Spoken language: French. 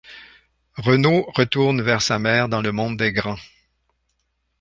Renaud retourne vers sa mère dans le monde des grands.